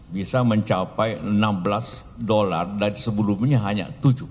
bisa mencapai enam belas dolar dari sebelumnya hanya tujuh